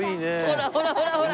ほらほらほらほら！